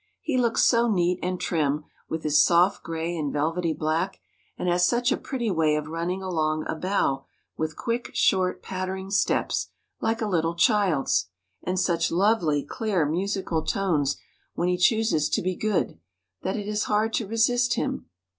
He looks so neat and trim with his soft gray and velvety black, and has such a pretty way of running along a bough with quick, short, pattering steps like a little child's, and such lovely, clear, musical tones when he chooses to be good, that it is hard to resist him.